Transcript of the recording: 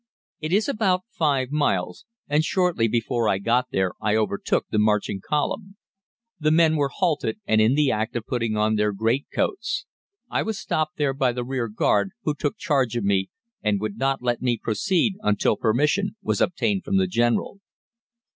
It is about five miles, and shortly before I got there I overtook the marching column. The men were halted, and in the act of putting on their greatcoats. I was stopped here by the rearguard, who took charge of me, and would not let me proceed until permission was obtained from the General.